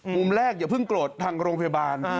มุมแรกอย่าเพิ่งโกรธทางโรงพยาบาล